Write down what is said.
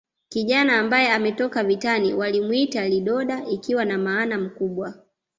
Kijana ambaye ametoka vitani walimwita lidoda ikiwa na maana mkubwa